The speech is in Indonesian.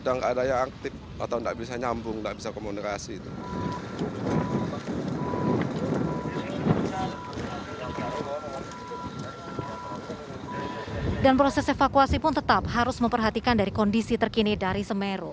dan proses evakuasi pun tetap harus memperhatikan dari kondisi terkini dari semeru